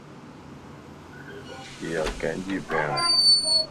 ايا پين ڪينجي ائي